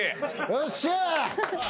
よっしゃ！